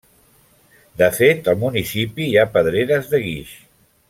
De fet, al municipi hi ha pedreres de guix.